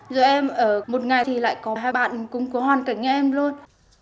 rồi em ở một ngày thì lại có hai bạn cùng có hoàn cảnh em luôn